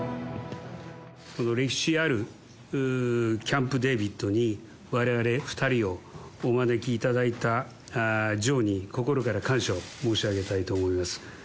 歴史あるキャンプ・デービッドにわれわれ２人をお招きいただいたジョーに、心から感謝を申し上げたいと思います。